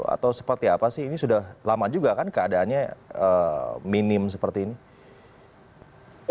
atau seperti apa sih ini sudah lama juga kan keadaannya minim seperti ini